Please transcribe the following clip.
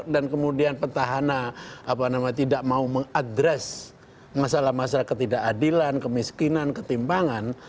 dan kemudian petahana tidak mau mengadres masalah masalah ketidakadilan kemiskinan ketimpangan